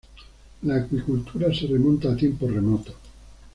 La acuicultura se remonta a tiempos remotos.